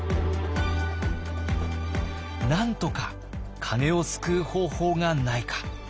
なんとか鐘を救う方法がないか。